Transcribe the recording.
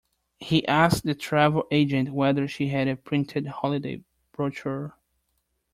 He asked the travel agent whether she had a printed holiday brochure